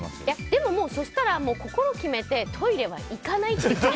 でもそしたら心を決めてトイレは行かないって。